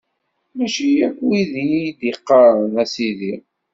Mačči akk wid i yi-d-iqqaren: A Sidi!